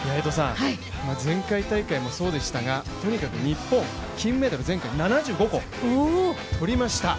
前回大会もそうでしたが、とにかく日本、前回７５個の金メダルをとりました。